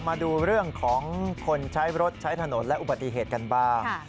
มาดูเรื่องของคนใช้รถใช้ถนนและอุบัติเหตุกันบ้าง